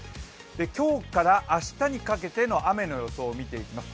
今日から明日にかけての雨の予想を見ていきます。